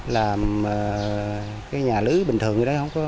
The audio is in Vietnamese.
làm nhà lưới bình thường